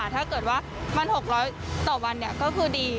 ถ้าเกิดว่ามัน๖๐๐ต่อวันก็คือดี